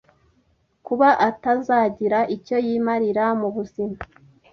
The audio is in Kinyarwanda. kuba atazagira icyo yimarira mu buzima.